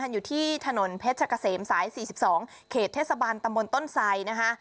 อยู่ที่ถนนเพชรกะเสมสาย๔๒เขตเทศบาลตำบลต้นไสนะคะ